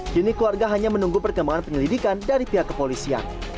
kini keluarga hanya menunggu perkembangan penyelidikan dari pihak kepolisian